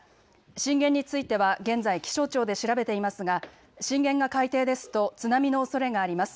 震源については現在、気象庁で調べていますが、震源が海底ですと津波のおそれがあります。